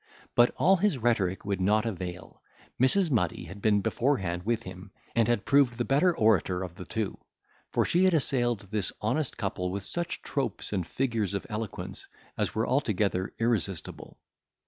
But all his rhetoric would not avail. Mrs. Muddy had been beforehand with him, and had proved the better orator of the two; for she had assailed this honest couple with such tropes and figures of eloquence, as were altogether irresistible.